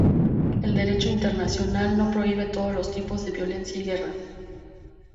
El derecho internacional no prohíbe todos los tipos de violencia y guerra.